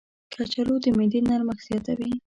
کچالو د معدې نرمښت زیاتوي.